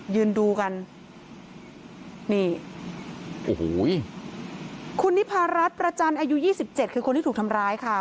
ยืนดูกันคุณนิพารัสประจันอายุ๒๗คือคนที่ถูกทำร้ายค่ะ